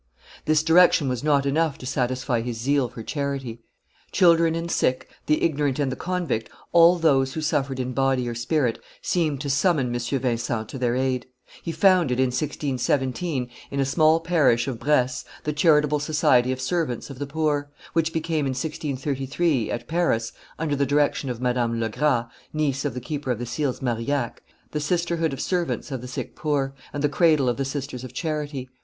This direction was not enough to satisfy his zeal for charity; children and sick, the ignorant and the convict, all those who suffered in body or spirit, seemed to summon M. Vincent to their aid; he founded in 1617, in a small parish of Bresse, the charitable society of Servants of the poor, which became in 1633, at Paris, under the direction of Madame Legras, niece of the keeper of the seals Marillac, the sisterhood off Servants of the sick poor, and the cradle of the Sisters of Charity.